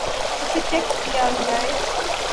اسے چیک کیا جائے